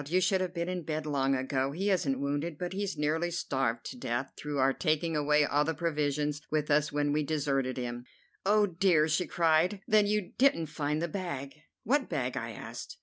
You should have been in bed long ago! He isn't wounded, but he's nearly starved to death through our taking away all the provisions with us when we deserted him." "Oh, dear!" she cried. "Then you didn't find the bag." "What bag?" I asked.